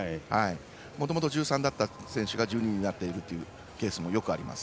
もともと１３だった選手が１２になっているというケースもあります。